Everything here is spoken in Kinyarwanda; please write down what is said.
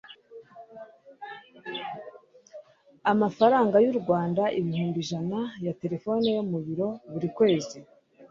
amafaranga y'u rwanda ibihumbi ijana ya telefone yo mu biro, buri kwezi